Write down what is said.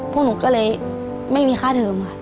พวกหนูก็เลยไม่มีค่าเทิมค่ะ